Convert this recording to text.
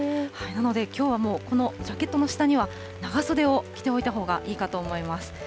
なので、きょうはもう、このジャケットの下には長袖を着ておいた方がいいかと思います。